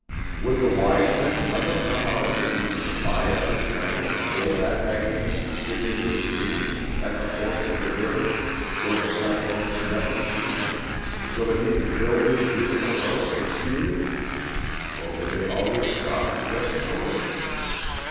Would the Wise Men never come out of the East to buy up his land and build that magnificent city of his dreams at the forks of the river where the cyclones never came, so that he could build his beautiful house for Celia? Or would they always stop just short of it?